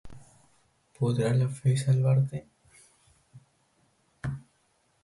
¿Podrá la fe salvarle?